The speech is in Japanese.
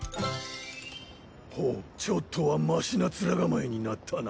ほうちょっとはマシな面構えになったな。